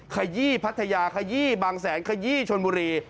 ขยี้พัทยาขยี้บางแสนขยี้ชนบุรี